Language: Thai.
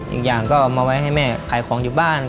อีกอย่างก็เอามาไว้ให้แม่ขายของอยู่บ้าน